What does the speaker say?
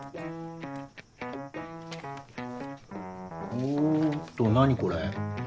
おっと何これ。